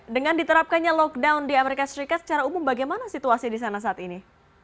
dengan diterapkannya lockdown di amerika serikat secara umum bagaimana situasi di sana saat ini